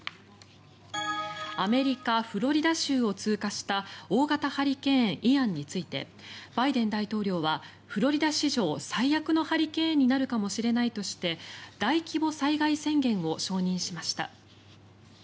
アメリカ・フロリダ州を通過した大型ハリケーン、イアンについてバイデン大統領はフロリダ史上最悪のハリケーンになるかもしれないとして大規模災害宣言を承認しました。